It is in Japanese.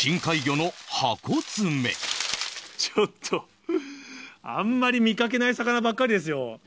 ちょっと、あんまり見かけない魚ばかりですよ。